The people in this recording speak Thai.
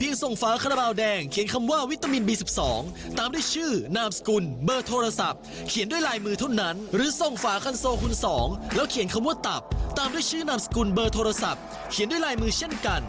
อีกตั้งสามครั้งนะคะและไม่แน่ผู้ชอบดีคนต่อไปอาจจะเป็นคุณ